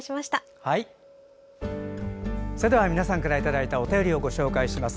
皆さんからいただいたお便りをご紹介します